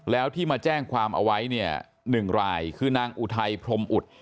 แล้วที่มาแจ้งความเอาไว้เนี่ย๑รายคือนางอุทัยพรมอุด